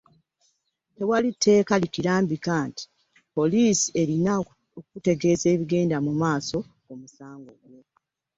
Tewali tteeka likirambika nti poliisi erina okukutegeezanga ebigenda mu maaso ku musango gwo.